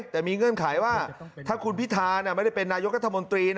แต่มีเงื่อนไขว่าถ้าคุณพิธาไม่ได้เป็นนายกรัฐมนตรี